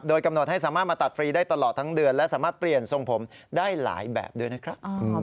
กำหนดให้สามารถมาตัดฟรีได้ตลอดทั้งเดือนและสามารถเปลี่ยนทรงผมได้หลายแบบด้วยนะครับ